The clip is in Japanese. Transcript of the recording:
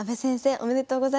おめでとうございます。